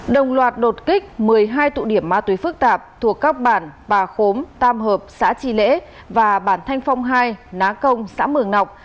đồng loạt đột kích một mươi hai tụ điểm ma túy phức tạp thuộc các bản bà khốm tam hợp xã tri lễ và bản thanh phong hai ná công xã mường nọc